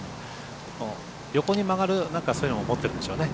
横に曲がるそういうのを持ってるんでしょうね。